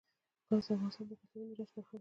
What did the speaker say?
ګاز د افغانستان د کلتوري میراث برخه ده.